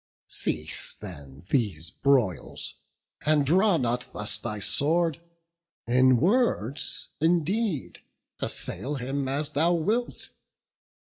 Cease, then, these broils, and draw not thus thy sword; In words, indeed, assail him as thou wilt.